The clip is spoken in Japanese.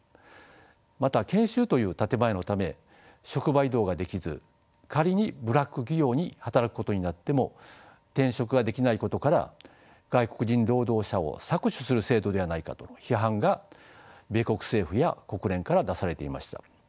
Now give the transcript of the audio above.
また研修という建て前のため職場移動ができず仮にブラック企業に働くことになっても転職ができないことから外国人労働者を搾取する制度ではないかとの批判が米国政府や国連から出されていました。